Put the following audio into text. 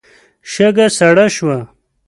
شګه سړه شوه.